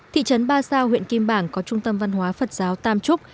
thị trấn ba sao huyện kim bảng có trung tâm văn hóa phật giáo tam trúc